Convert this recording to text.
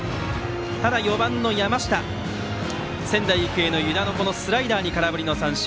ただ、４番の山下仙台育英の湯田のスライダーに空振り三振。